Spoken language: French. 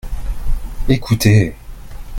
Ecoutez !